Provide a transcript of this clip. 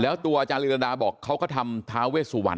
แล้วตัวอาจารย์ลีรันดาบอกเขาก็ทำท้าเวสวรร